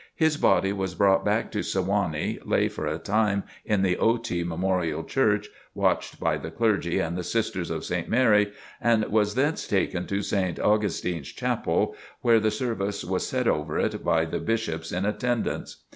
His body was brought back to Sewanee, lay for a time in the Otey Memorial Church, watched by the clergy and the Sisters of St. Mary, and was thence taken to St. Augustine's Chapel, where the service was said over it by the Bishops in attendance.